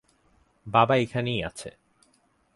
বাবা এখানেই আছে।